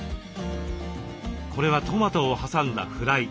これはトマトを挟んだフライ。